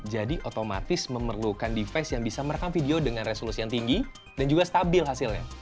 jadi otomatis memerlukan device yang bisa merekam video dengan resolusi yang tinggi dan juga stabil hasilnya